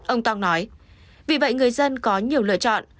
ông tăng nói vì vậy người dân có nhiều lựa chọn